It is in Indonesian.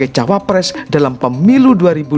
jawab pres dalam pemilu dua ribu dua puluh empat